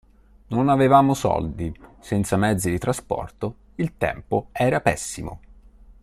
Non avevamo soldi, senza mezzi di trasporto, il tempo era pessimo.